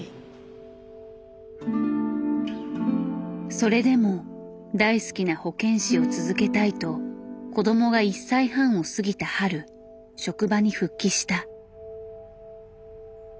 それでも大好きな保健師を続けたいと子どもが１歳半を過ぎた春職場に復帰した。